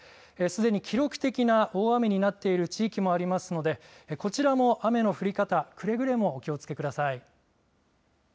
すでに記録的な大雨になっている地域もありますのでこちらも雨の降り方にはくれぐれもお気をつけください。